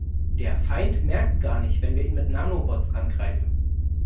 Der Feind merkt gar nicht, wenn wir ihn mit Nanobots angreifen.